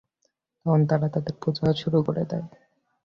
তখন তারা তাদের পূজা শুরু করে দেয়।